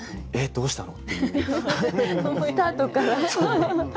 どうしたの？